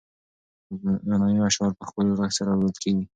غنایي اشعار په ښکلي غږ سره ویل کېږي.